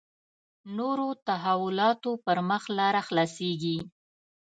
نورو تحولاتو پر مخ لاره خلاصېږي.